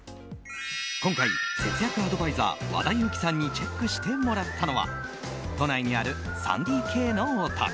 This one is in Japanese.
今回、節約アドバイザー和田由貴さんにチェックしてもらったのは都内にある３ＤＫのお宅。